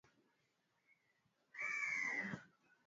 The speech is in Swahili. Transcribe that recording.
Maji ya baridi inaumishaka meno